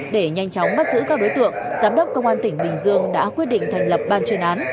để nhanh chóng bắt giữ các đối tượng giám đốc công an tỉnh bình dương đã quyết định thành lập ban chuyên án